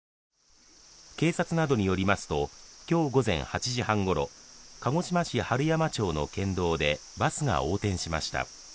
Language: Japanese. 警察などによりますと今日午前８時半ごろ、鹿児島県春山町の県道でバスが横転しました。